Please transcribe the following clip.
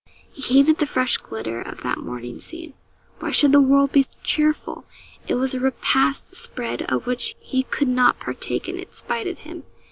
He hated the fresh glitter of that morning scene. Why should the world be cheerful? It was a repast spread of which he could not partake, and it spited him.